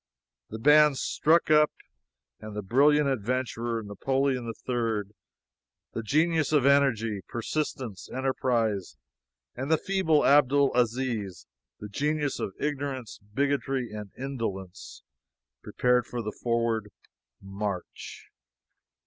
The bands struck up, and the brilliant adventurer, Napoleon III., the genius of Energy, Persistence, Enterprise; and the feeble Abdul Aziz, the genius of Ignorance, Bigotry, and Indolence, prepared for the Forward March!